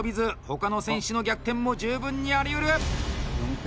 他の選手の逆転も十分にありうる。